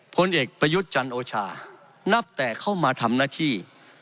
ผลเอกประยุทธ์จันโอชานับแต่เข้ามาทำหน้าที่